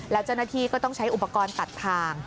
แล้วเจ้าหน้าที่ก็ต้องใช้อุปกรณ์ตัดทาง